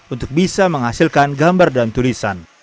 untuk bisa menghasilkan gambar dan tulisan